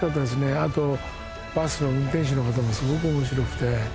あとバスの運転手の方もすごくおもしろくて。